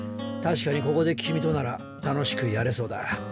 確かにここで君となら楽しくやれそうだ。